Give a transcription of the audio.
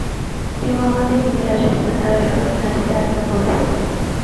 কেউ আমাদের নিতে আসবে না, তারা সবাই ঘাঁটিতে আটকা পড়েছে।